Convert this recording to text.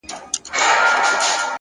تا چي پر لمانځه له ياده وباسم،